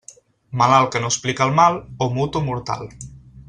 Malalt que no explica el mal, o mut o mortal.